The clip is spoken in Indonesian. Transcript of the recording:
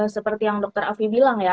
seperti yang dokter afi bilang ya